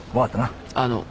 あの。